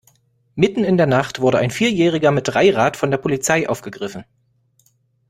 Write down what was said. Mitten in der Nacht wurde ein Vierjähriger mit Dreirad von der Polizei aufgegriffen.